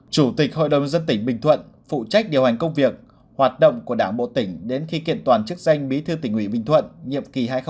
chủ tịch hội đồng dân tỉnh bình thuận phụ trách điều hành công việc hoạt động của đảng bộ tỉnh đến khi kiện toàn chức danh bí thư tỉnh ủy bình thuận nhiệm kỳ hai nghìn một mươi sáu hai nghìn hai mươi một